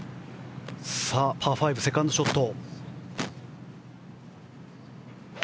中島のパー５、セカンドショット。